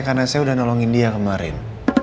karena saya udah nolongin dia kemarin